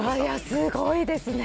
すごいですね。